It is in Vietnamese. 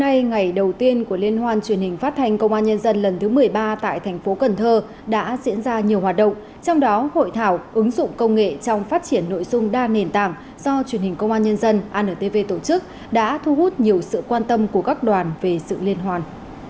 hôm nay ngày đầu tiên của liên hoan truyền hình phát thanh công an nhân dân lần thứ một mươi ba tại thành phố cần thơ đã diễn ra nhiều hoạt động trong đó hội thảo ứng dụng công nghệ trong phát triển nội dung đa nền tảng do truyền hình công an nhân dân antv tổ chức đã thu hút nhiều sự quan tâm của các đoàn về sự liên hoan